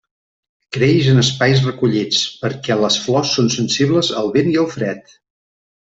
Creix en espais recollits, perquè les flors són sensibles al vent i al fred.